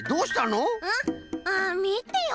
ああみてよ